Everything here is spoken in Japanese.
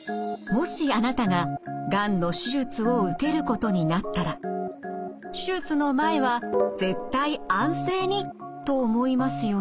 もしあなたががんの手術を受けることになったら手術の前は絶対安静にと思いますよね？